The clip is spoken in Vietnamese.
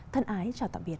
thân ái chào tạm biệt